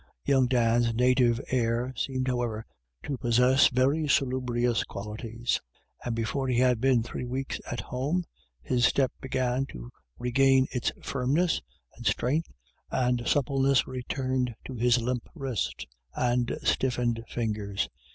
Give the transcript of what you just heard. Young Dan's native air seemed, how ever, to possess very salubrious qualities ; and before he had been three weeks at home, his step began to regain its firmness, and strength and suppleness returned to his limp wrist and stiffened fingers.